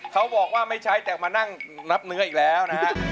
เขาบอกว่าไม่ใช้แต่มานั่งนับเนื้ออีกแล้วนะฮะ